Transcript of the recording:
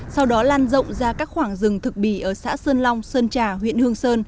sau đó lan rộng ra các khoảng rừng thực bì ở xã sơn long sơn trà huyện hương sơn